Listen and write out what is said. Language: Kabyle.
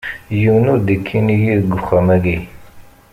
Yiwen ur d-ikki nnig-i deg wexxam-agi.